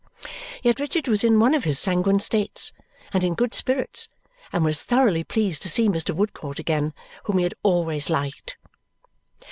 Yet Richard was in one of his sanguine states and in good spirits and was thoroughly pleased to see Mr. Woodcourt again, whom he had always liked.